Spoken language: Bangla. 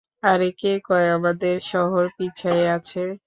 আরে কে কয় আমাদের শহর পিছায়ে আছে?